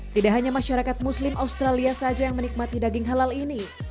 tidak hanya masyarakat muslim australia saja yang menikmati daging halal ini